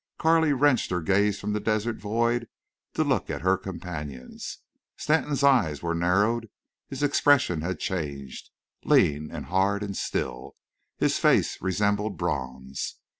Carley wrenched her gaze from the desert void to look at her companions. Stanton's eyes were narrowed; his expression had changed; lean and hard and still, his face resembled bronze.